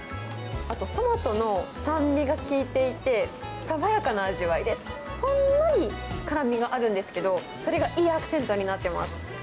あと、トマトの酸味が効いていて、爽やかな味わいで、ほんのり辛みがあるんですけど、それがいいアクセントになっています。